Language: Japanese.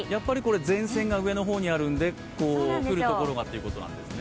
前線が上の方にあるので降るところがということなんですね。